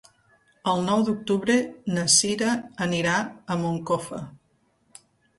El nou d'octubre na Cira anirà a Moncofa.